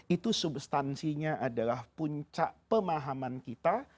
itu substansinya adalah puncak pemahaman kita